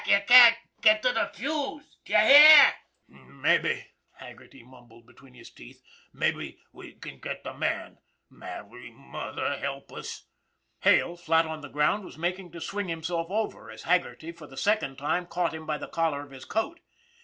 Ye can't get to the fuse ! D'ye hear!" " Mabbe," mumbled Haggerty between his teeth, " mabbe we can get the man. Mary, Mother, help us!" Hale, flat on the ground, was making to swing him self over as Haggerty, for the second time, caught him by the collar of his coat.